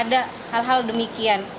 ada hal hal demikian